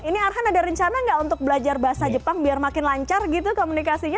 ini arhan ada rencana nggak untuk belajar bahasa jepang biar makin lancar gitu komunikasinya